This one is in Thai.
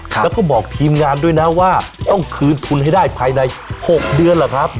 แล้วก็บอกทีมงานด้วยนะว่าต้องคืนทุนให้ได้ภายใน๖เดือนเหรอครับ